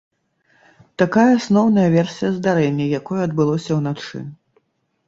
Такая асноўная версія здарэння, якое адбылося ўначы.